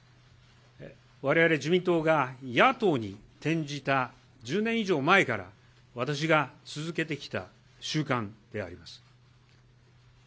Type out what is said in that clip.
われわれ自民党が野党に転じた１０年以上前から、私が続けてきた習慣であります。